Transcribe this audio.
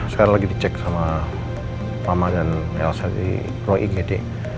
sekarang lagi dicek sama pama dan elsa di ro igd